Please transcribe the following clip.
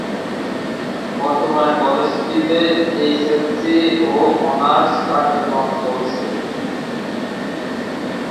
বর্তমানে কলেজটিতে এইচএসসি ও অনার্স কার্যক্রম চলছে।